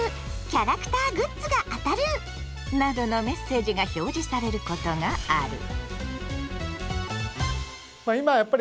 キャラクターグッズが当たる！」などのメッセージが表示されることがある。